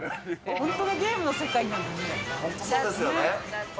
本当にゲームの世界なんだね。